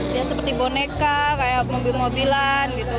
dia seperti boneka kayak mobil mobilan